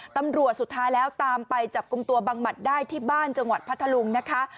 สุดท้ายแล้วตามไปจับกลุ่มตัวบังหมัดได้ที่บ้านจังหวัดพัทธลุงนะคะ